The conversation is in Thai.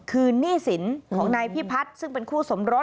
คือหนี้สินของนายพิพัฒน์ซึ่งเป็นคู่สมรส